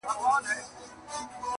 تش یو پوست وو پر هډوکو غوړېدلی-